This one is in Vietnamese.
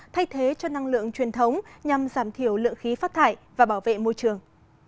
thay thế cho năng lượng truyền thống nhằm giảm thiểu lượng khí phát thải và bảo vệ môi trường